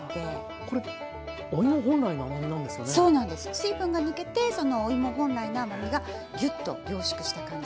水分が抜けてそのお芋本来の甘みがギュッと凝縮した感じ。